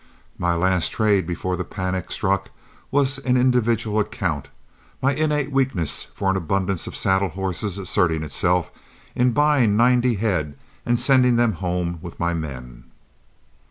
My last trade before the panic struck was an individual account, my innate weakness for an abundance of saddle horses asserting itself in buying ninety head and sending them home with my men.